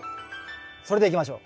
それでいきましょう。